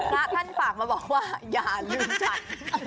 พระท่านฝากมาบอกว่าอย่าลืมฉัน